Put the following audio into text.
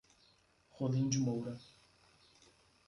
Rolim de Moura